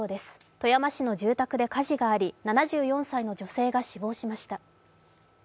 富山市の住宅で火事があり７４歳の女性が死亡しました。